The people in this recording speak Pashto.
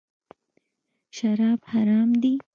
شراب حرام دي .